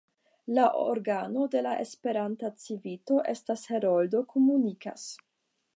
La organo de la Esperanta Civito estas "Heroldo komunikas".